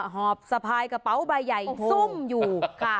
หอบสะพายกระเป๋าใบใหญ่ซุ่มอยู่ค่ะ